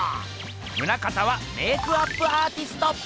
棟方はメークアップアーティスト！